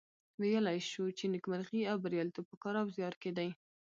ویلای شو چې نیکمرغي او بریالیتوب په کار او زیار کې دي.